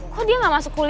kok dia gak masuk kulit